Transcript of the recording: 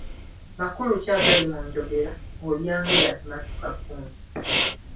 Makulu ki agali mu njogera, ‘Olya ng'eyasimattuka Kkunsa'